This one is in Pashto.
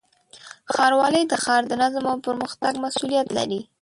ښاروالۍ د ښار د نظم او پرمختګ مسؤلیت لري.